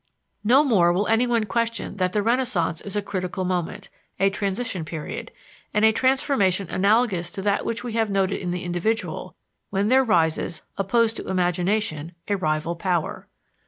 No more will anyone question that the Renaissance is a critical moment, a transition period, and a transformation analogous to that which we have noted in the individual, when there rises, opposed to imagination, a rival power.